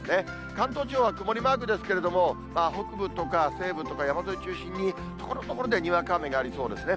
関東地方は曇りマークですけれども、北部とか西部とか山沿いを中心に、ところどころでにわか雨がありそうですね。